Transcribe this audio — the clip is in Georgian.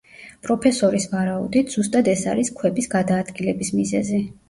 პროფესორის ვარაუდით, ზუსტად ეს არის ქვების გადაადგილების მიზეზი.